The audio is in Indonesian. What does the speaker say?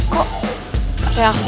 kok reaksinya gitu aja sih